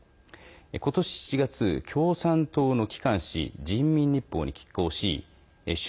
今年７月、共産党の機関紙人民日報に寄稿し習